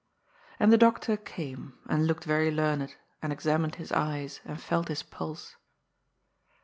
And the doctor came, and looked very learned, and ex amined his eyes, and felt his pulse.